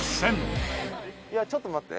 「いやちょっと待って。